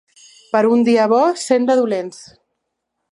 Per un dia bo, cent de dolents.